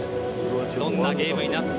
どんなゲームになるか。